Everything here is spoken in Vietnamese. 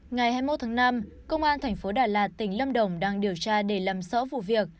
ngày hai mươi một tháng năm công an thành phố đà lạt tỉnh lâm đồng đang điều tra đề lâm sỡ vụ việc